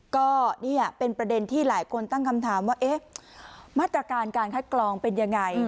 ก็เนี่ยเป็นประเด็นที่หลายคนตั้งคำถามว่าเอ๊ะมาตรการการคัดกรองเป็นยังไง